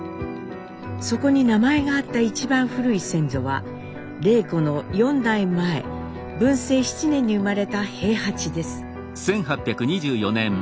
そこに名前があった一番古い先祖は礼子の４代前文政七年に生まれた兵八です。